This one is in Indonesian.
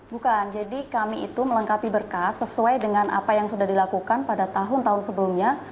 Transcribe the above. bukan jadi kami itu melengkapi berkas sesuai dengan apa yang sudah dilakukan pada tahun tahun sebelumnya